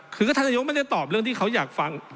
คือก็ท่านนายกไม่ได้ตอบเรื่องที่เขาอยากฟัง